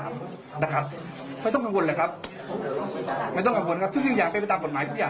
ไม่ต้องกังวลสิ่งที่อย่างเป็นไปตามกฎหมายใจ